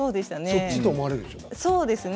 そっちと思われるでしょ。